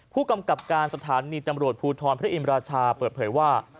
ผู้กำกับการสถานีตำรวจภูทรพระอินราชาเปิดเผยว่า